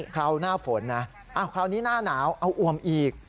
คราวหน้าฝนนะคราวนี้หน้าหนาวเอาอ่วมอีก